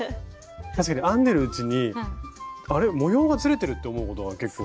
確かに編んでるうちに「あれ？模様がずれてる」って思うことが結構。